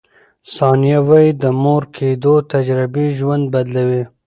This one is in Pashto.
ثانیه وايي، د مور کیدو تجربې ژوند بدلوي.